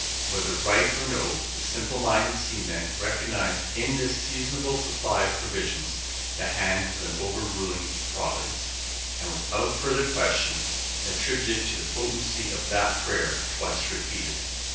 Whether right or no, the simple minded seaman recognised in this seasonable supply of provision the hand of an overruling Providence; and without further question, attributed it to the potency of that prayer twice repeated.